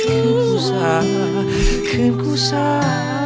ขึ้นกูซ้าขึ้นกูซ้า